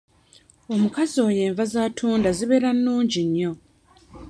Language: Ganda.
Omukazi oyo enva z'atunda zibeera nnungi nnyo.